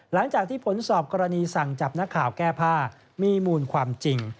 หลังจากที่ผลสอบกรณีสั่งจับนักข่าวแก้ผ้ามีมูลความจริง